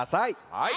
はい！